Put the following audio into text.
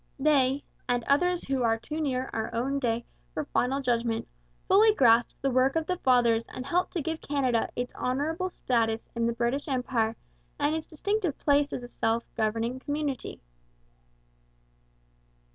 They, and others who are too near our own day for final judgment, fully grasped the work of the Fathers and helped to give Canada its honourable status in the British Empire and its distinctive place as a self governing community.